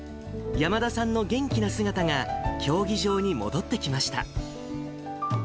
山田さんの元気な姿が競技場に戻ってきました。